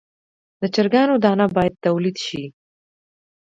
د چرګانو دانه باید تولید شي.